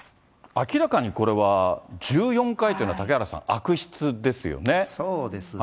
明らかにこれは１４回というのは嵩原さん、そうですね。